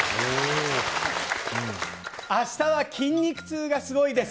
あしたは筋肉痛がすごいです。